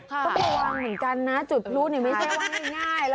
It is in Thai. ก็ระวังเหมือนกันนะจุดพลุนี่ไม่ใช่ว่าง่าย